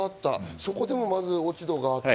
そこでも落ち度があった。